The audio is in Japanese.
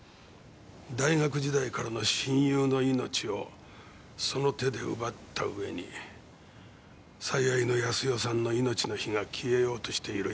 大学時代からの親友の命をその手で奪ったうえに最愛の康代さんの命の火が消えようとしている今。